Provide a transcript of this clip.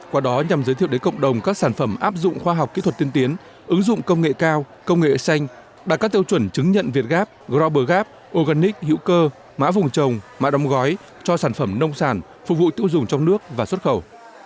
qua đó nhằm giới thiệu đến cộng đồng các sản phẩm áp dụng khoa học kỹ thuật tiên tiến ứng dụng công nghệ cao công nghệ xanh đạt các tiêu chuẩn chứng nhận việt gap global gap organic hữu cơ mã vùng trồng mã đóng gói cho sản phẩm nông sản phục vụ tiêu dùng trong nước và xuất khẩu